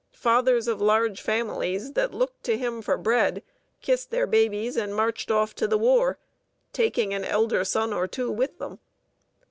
Fathers of large families that looked to him for bread kissed their babies and marched off to the war, taking an elder son or two with them.